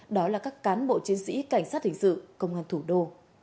đó là các cán bộ chiến sĩ cảnh sát hình sự công an thủ đô